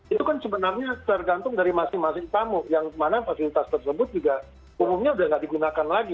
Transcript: itu kan sebenarnya tergantung dari masing masing tamu yang mana fasilitas tersebut juga umumnya udah nggak digunakan lagi